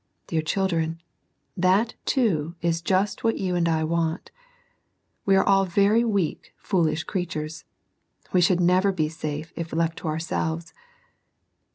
Dear children, that, too, is just what you and I want. We are all very weak foolish creatures ; we should never be safe if left to ourselves.